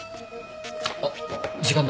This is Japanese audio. あっ時間だ。